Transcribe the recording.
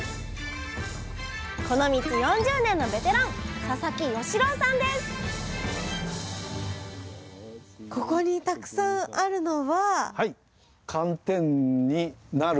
この道４０年のベテランここにたくさんあるのは？